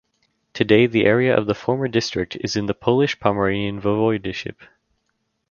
Today the area of the former district is in the Polish Pomeranian Voivodeship.